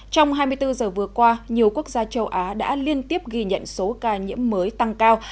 trong hai mươi bốn giờ vừa qua nhiều quốc gia châu á đã liên tiếp ghi nhận số ca nhiễm mới tăng cao